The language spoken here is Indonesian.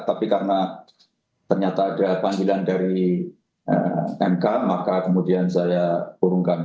tapi karena ternyata ada panggilan dari mk maka kemudian saya urungkan